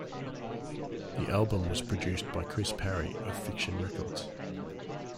The album was produced by Chris Parry of Fiction Records.